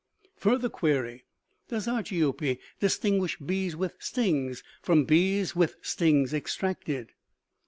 "Further query: Does Argiope distinguish bees with stings from bees with stings extracted?